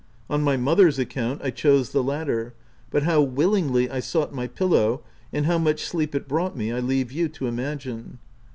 On my mother's account, I chose the latter ; but how willingly I sought my pillow, and how much sleep it brought me, I leave you to imagine.